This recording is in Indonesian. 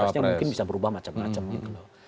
prosesnya mungkin bisa berubah macam macam gitu loh